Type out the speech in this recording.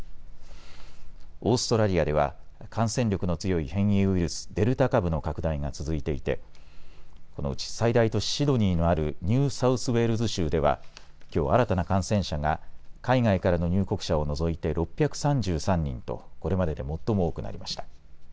オーストラリアでは感染力の強い変異ウイルス、デルタ株の拡大が続いていてこのうち最大都市シドニーのあるニューサウスウェールズ州ではきょう新たな感染者が海外からの入国者を除いて６３３人とこれまでで最も多くなりました。